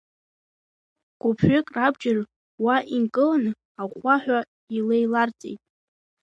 Гәыԥ-ҩык, рабџьар уа инкылакны, аҟәҟәаҳәа илеиларҵеит.